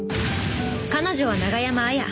彼女は永山杏耶。